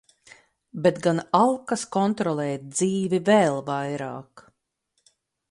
Bet gan alkas kontrolēt dzīvi vēl vairāk.